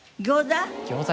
餃子？